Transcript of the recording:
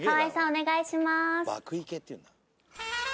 お願いします。